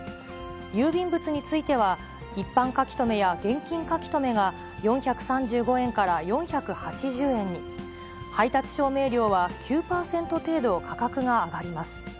郵便物については、一般書留や現金書留が４３５円から４８０円に、配達証明料は９％程度価格が上がります。